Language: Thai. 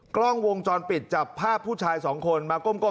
กล้องวงจรปิดจับภาพผู้ชายสองคนมาก้ม